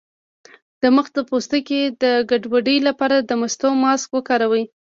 د مخ د پوستکي د ګډوډۍ لپاره د مستو ماسک وکاروئ